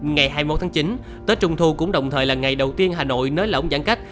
ngày hai mươi một tháng chín tết trung thu cũng đồng thời là ngày đầu tiên hà nội nới lỏng giãn cách